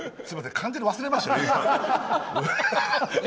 完全に忘れてましたよね？